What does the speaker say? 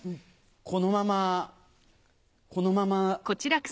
このままこのまま。